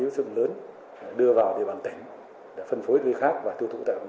với sự lớn đưa vào địa bàn tỉnh để phân phối với khác và tiêu thụ tại đoàn tỉnh